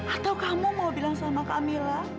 atau kamu mau bilang sama kamila